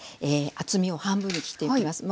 厚みを半分に切っていきます。